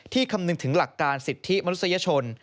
คำนึงถึงหลักการสิทธิมนุษยชน